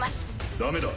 ダメだ。